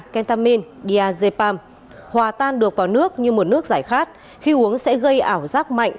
ketamine diazepam hòa tan được vào nước như một nước giải khát khi uống sẽ gây ảo giác mạnh